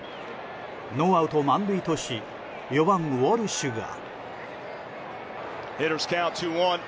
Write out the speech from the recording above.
ノーアウト満塁とし４番、ウォルシュが。